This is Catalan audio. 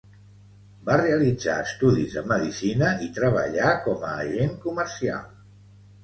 Va realitzar estudis de medicina i treballà com a agent comercial.